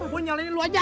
gua nyalain lu aja